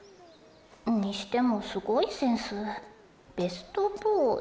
にしてもすごいセンスベストボーイ？